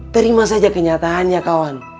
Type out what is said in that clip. terima saja kenyataannya kawan